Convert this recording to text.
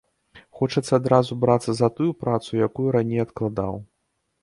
Хочацца адразу брацца за тую працу, якую раней адкладаў.